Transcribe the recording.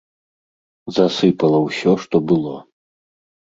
Засыпала ўсё, што было.